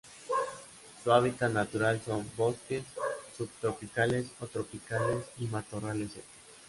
Su hábitat natural son: bosques subtropicales o tropicales y matorrales secos.